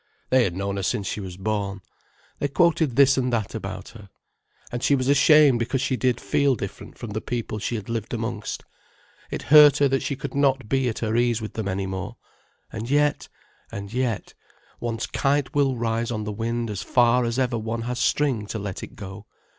They had known her since she was born. They quoted this and that about her. And she was ashamed because she did feel different from the people she had lived amongst. It hurt her that she could not be at her ease with them any more. And yet—and yet—one's kite will rise on the wind as far as ever one has string to let it go.